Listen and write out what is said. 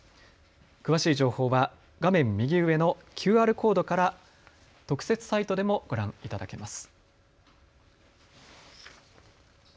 詳しい情報は画面右上のＱＲコードから特設サイトでもご覧いただけます。